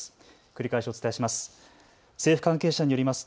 繰り返しお伝えします。